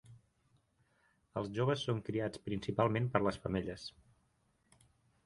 Els joves són criats principalment per les femelles.